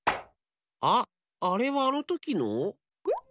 あっあれはあのときの？